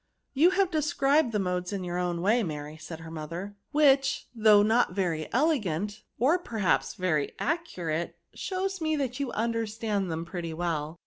" You have described the modes in your own way, Mary," said her mother, " which, though not very elegant, or perhaps very accurate, shows me that you imderstand them pretty well."